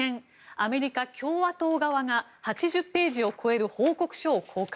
アメリカ共和党側が８０ページを超える報告書を公開。